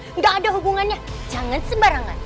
betul gak ada hubungannya jangan sembarangan